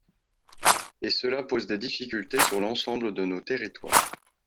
Et cela pose des difficultés sur l’ensemble de nos territoires.